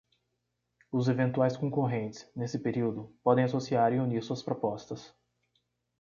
Os eventuais concorrentes, nesse período, podem associar e unir suas propostas.